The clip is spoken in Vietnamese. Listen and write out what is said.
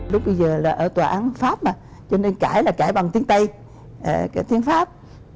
lúc bây giờ là ở tòa án pháp mà cho nên cãi là cãi bằng tiếng tây tiếng pháp